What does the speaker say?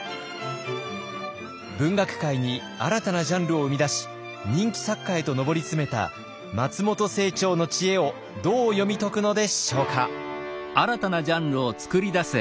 文学界に新たなジャンルを生み出し人気作家へと上り詰めた松本清張の知恵をどう読み解くのでしょうか。